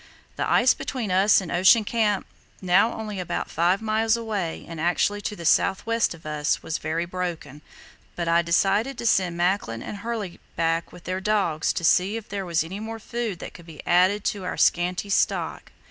The ice between us and Ocean Camp, now only about five miles away and actually to the south west of us, was very broken, but I decided to send Macklin and Hurley back with their dogs to see if there was any more food that could be added to our scanty stock.